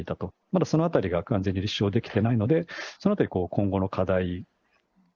まだそのあたりが完全に立証できてないので、そのあたり、今後の課題。